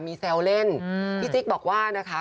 มีแซวเล่นพี่จิ๊กบอกว่านะคะ